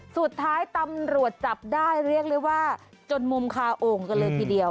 สุดท้ายตำรวจจับได้เรียกได้ว่าจนมุมคาโอ่งกันเลยทีเดียว